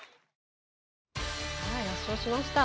圧勝しました。